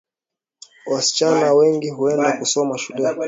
Wasichana wengi huenda kusoma shuleni